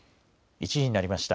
１時になりました。